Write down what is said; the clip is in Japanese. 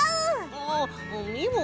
あっみもも